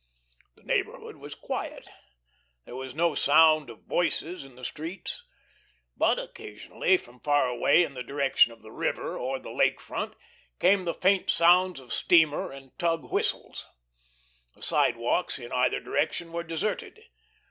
The neighborhood was quiet. There was no sound of voices in the streets. But occasionally, from far away in the direction of the river or the Lake Front, came the faint sounds of steamer and tug whistles. The sidewalks in either direction were deserted.